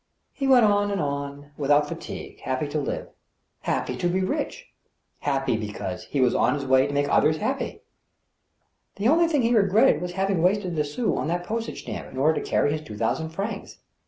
He went on and on, without fatigue, happy to live, happy to be rich, happy because he was on his way to make others happy. The only thing he regretted was having wasted a sous on a post age stamp, in order to carry his two thousand francs.